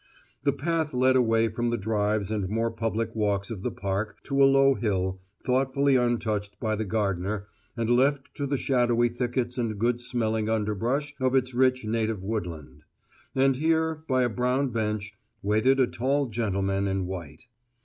The path led away from the drives and more public walks of the park, to a low hill, thoughtfully untouched by the gardener and left to the shadowy thickets and good smelling underbrush of its rich native woodland. And here, by a brown bench, waited a tall gentleman in white.